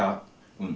うん。